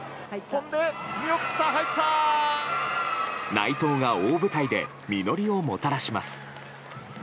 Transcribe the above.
内藤が大舞台で実りをもたらします。